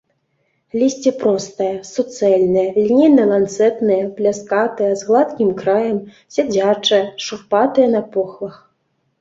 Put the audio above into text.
Лісце простае, суцэльнае, лінейна-ланцэтнае, пляскатае, з гладкім краем, сядзячае, шурпатае на похвах.